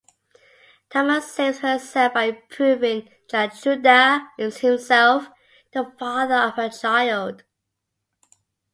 Tamar saves herself by proving that Judah is himself the father of her child.